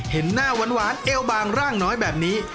เห็นหน้าหวานเอวบางร่างน้อยแบบนี้